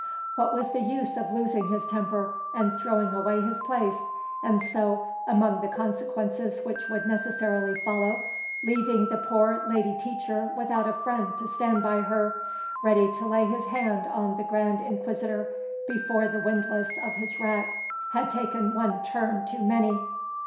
What was the use of losing his temper and throwing away his place, and so, among the consequences which would necessarily follow, leaving the poor lady teacher without a friend to stand by her ready to lay his hand on the grand inquisitor before the windlass of his rack had taken one turn too many?